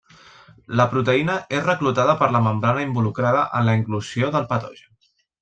La proteïna és reclutada per la membrana involucrada en la inclusió del patogen.